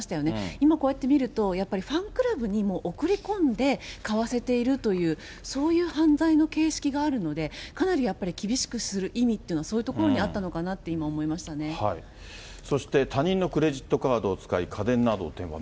今、こうやって見ると、やっぱりファンクラブに送り込んで、買わせているという、そういう犯罪の形式があるんで、かなりやっぱり厳しくする意味っていうのは、そういうところにあったのかなって、そして、他人のクレジットカードを使い、家電などを転売。